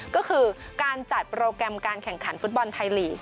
ก็คือการจัดโปรแกรมการแข่งขันฟุตบอลไทยลีก